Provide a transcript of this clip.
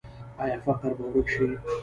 آیا فقر به ورک شي؟